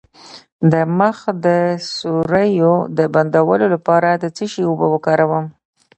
د مخ د سوریو د بندولو لپاره د څه شي اوبه وکاروم؟